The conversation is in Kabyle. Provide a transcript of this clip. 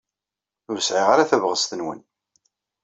Ur sɛiɣ ara tabɣest-nwen.